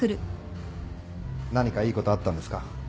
何かいいことあったんですか？